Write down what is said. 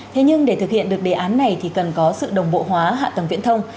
thế nhưng để thực hiện được đề án này thì cần có sự đồng bộ hóa hạ tầng viễn thông